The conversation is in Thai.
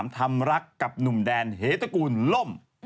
ทำรักกับหนุ่มแดนเฮตระกูลล่ม